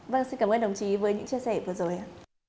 vâng xin cảm ơn đồng chí với những chia sẻ vừa rồi ạ